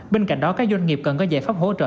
bên cạnh đó các doanh nghiệp cần có giải pháp hỗ trợ